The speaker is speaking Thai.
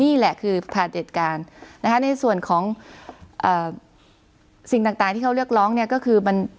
นี่แหละคือประเด็จการในส่วนของสิ่งต่างที่เขาเรียกล้องเนี่ยก็คือ